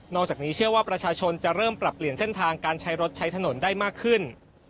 จากนี้เชื่อว่าประชาชนจะเริ่มปรับเปลี่ยนเส้นทางการใช้รถใช้ถนนได้มากขึ้น